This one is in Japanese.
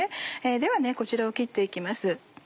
ではこちらを切って行きます。